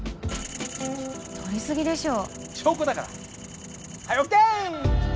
撮りすぎでしょ証拠だからはいＯＫ！